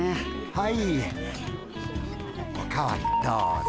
はいお代わりどうぞ。